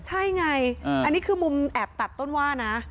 ใช่ไงอันนี้คือมุมแอบตัดต้นว่านะ